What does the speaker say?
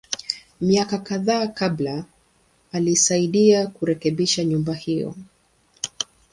Miaka kadhaa kabla, alisaidia kurekebisha nyumba hiyo.